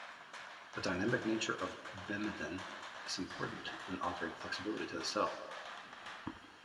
The dynamic nature of vimentin is important when offering flexibility to the cell.